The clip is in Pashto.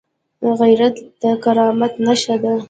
غیرت د کرامت نښه ده